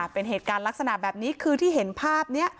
เป็นเหตุการณ์ลักษณะแบบนี้คือที่เห็นภาพนี้